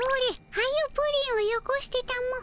はようプリンをよこしてたも。